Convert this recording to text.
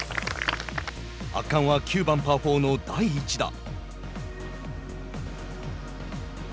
圧巻は９番パー４の第１打。